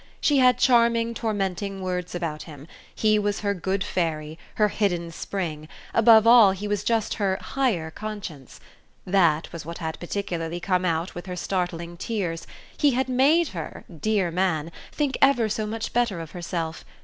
She had charming tormenting words about him: he was her good fairy, her hidden spring above all he was just her "higher" conscience. That was what had particularly come out with her startling tears: he had made her, dear man, think ever so much better of herself.